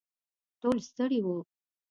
ټول ستړي وو.